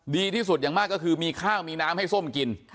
ดีที่สุดอย่างมากก็คือมีข้าวมีน้ำให้ส้มกิน